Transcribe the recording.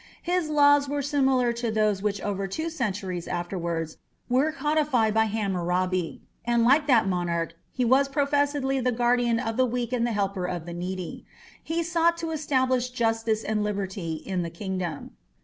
His laws were similar to those which over two centuries afterwards were codified by Hammurabi, and like that monarch he was professedly the guardian of the weak and the helper of the needy; he sought to establish justice and liberty in the kingdom.